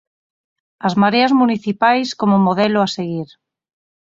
As mareas municipais como modelo a seguir.